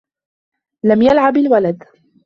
لَمْ يَلْعَبْ الْوَلَدُ.